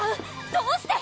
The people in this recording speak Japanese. どうして？